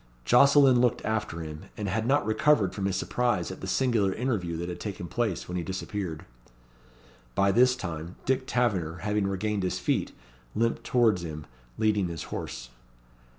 Jocelyn looked after him, and had not recovered from his surprise at the singular interview that had taken place when he disappeared. By this time, Dick Taverner having regained his feet, limped towards him, leading his horse.